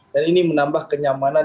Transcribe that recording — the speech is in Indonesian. dan ini menambah kenyamanan